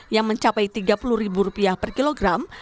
yang mencapai rp tiga puluh per kilogram